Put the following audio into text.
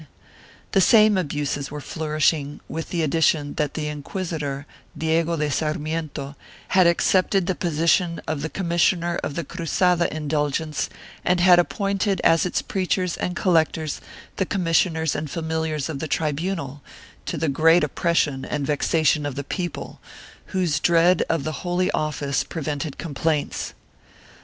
The same abuses were flourishing, with the addition that the inquisitor, Diego de Sar miento, had accepted the position of commissioner of the Cru zada indulgence and had appointed as its preachers and collectors the commissioners arid familiars of the tribunal, to the great oppression and vexation of the people, whose dread of the Holy Office prevented complaints.